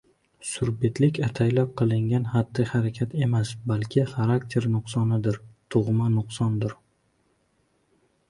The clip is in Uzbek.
Surbetlik ataylab qilingan xatti-harakat emas, balki xarakter nuqsonidir; tug‘ma nuqsondir.